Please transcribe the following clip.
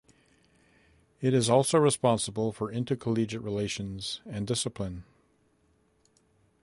It is also responsible for intercollege-relations and discipline.